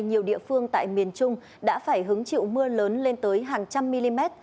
nhiều địa phương tại miền trung đã phải hứng chịu mưa lớn lên tới hàng trăm mm